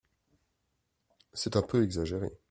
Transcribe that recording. C’est un peu exagéré